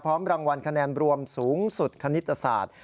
รางวัลคะแนนรวมสูงสุดคณิตศาสตร์